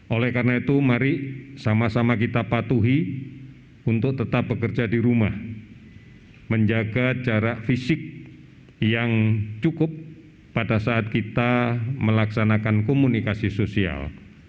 oleh karena itu mari sama sama kita patuhi untuk tetap bekerja di rumah menjaga jarak fisik yang cukup pada saat kita melaksanakan komunikasi sosial